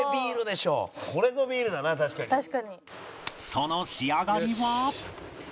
その仕上がりは